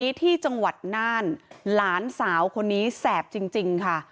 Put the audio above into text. เมื่อกี้ที่จังหวัดน่านหลานสาวคนนี้แสบจริงค่ะ